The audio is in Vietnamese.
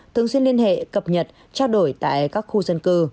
thường xuyên liên hệ cập nhật trao đổi tại các khu dân cư